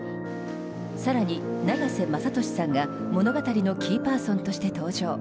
更に、永瀬正敏さんが物語のキーパーソンとして登場。